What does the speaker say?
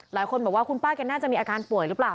หลายคนบอกว่าคุณป้าแกน่าจะมีอาการป่วยหรือเปล่า